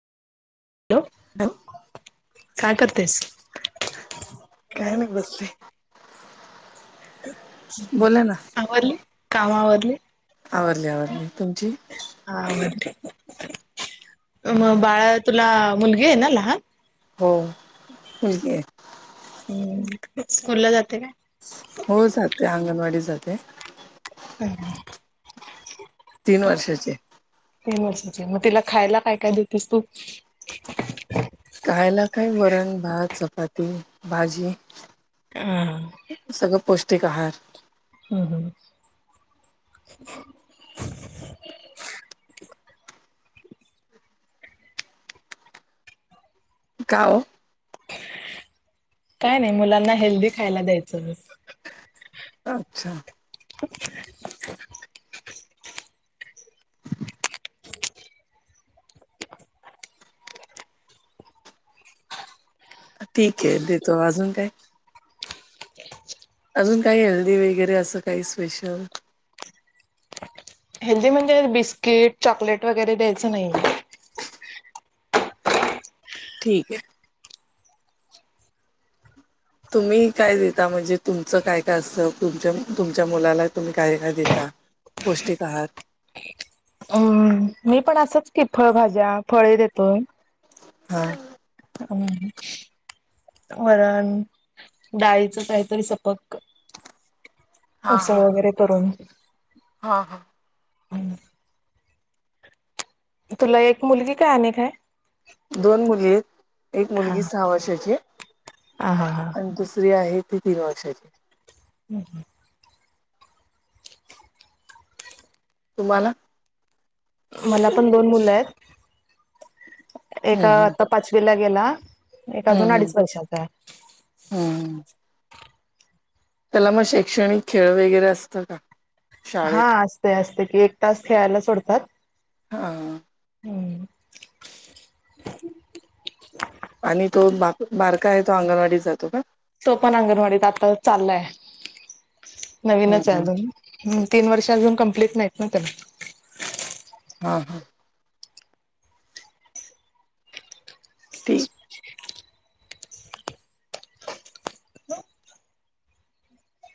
Hello, काय करतेस. काय नाही बसले बोला ना आवरली, काम आवरली. आवरली, आवरली, तुमची? हा, म बाळा तुला मुलगीये ना, लहान. हो. हम्म स्कूल ला जाते काय? हो जाते, अंगणवाडी जाते. का [unintelligible] तीन वर्षाचे. तीन वर्षाच्या, म तिला खायला काय काय देतस तू. खायला काय वरण, भात, चपाती, भाजी. ह ह. सगळं पौष्टिक आहार. हम्म हम्म हम्म. का ओ. काय नाही, मुलांना हेल्दी खायला द्यायचं. अच्छा. [unintelligible] ठीके देतो, अजून काय? अजून काही हेल्दी वगैरे असं काही, स्पेशल. हेल्दी म्हणजे, बिस्किट, चॉकलेट वगैरे द्यायचं नाहीये. ठीके. तुम्ही काय देता, म्हणजे तुमचं काय काय असतं, तुमच्या तुमच्या मुलाला तुम्ही काय काय देता. पौष्टिक आहार. अम्म. मी पण असच की, फळभाज्या, फळे देतो. हा. हम्म. वरण, डाळीचं काहीतरी सपक हा उसळ हा वगैरे करून. हा हा. हम्म. तुला एक मुलगी काय, आणि काय? दोन मुली येत, एक हा मुलगी सहा वर्षाची ये, हा हा हा आणि दुसरी आहे, ती तीन वर्षांची. हम्म ह. तुम्हाला मला पण दोन मुलं येत एक हम्म हम्म आता पाचवीला गेला. एका अजून हम्म अडीच हम्म वर्षाचाय. हम्म त्याला मग शैक्षणिक खेळ वगैरे असतं का? हा शाळेत असतय असतय की एक तास खेळायला सोडतात. हां हम्म आणि तो बा बारका आहे तो अंगणवाडीत जातो का? तो पण अंगणवाडीत आता चाललाय हम्म नवीनच आहे हम्म. अजून. हम्म तीन वर्ष अजुन कंप्लीट नाहीत ना त्याला हा हां. ठीक